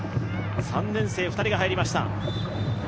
３年生２人が入りました。